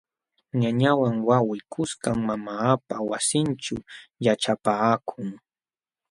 Ñañawan wawqii kuskam mamaapa wasinćhu yaćhapaakun.